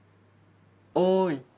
おい？